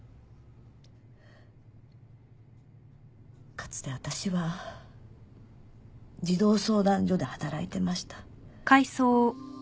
かつて私は児童相談所で働いてました。